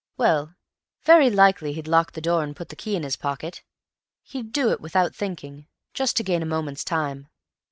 Well, very likely he'd lock the door and put the key in his pocket. He'd do it without thinking, just to gain a moment's time."